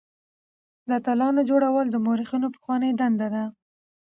د اتلانو جوړول د مورخينو پخوانۍ دنده ده.